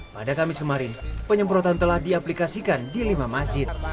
pada kamis kemarin penyemprotan telah diaplikasikan di lima masjid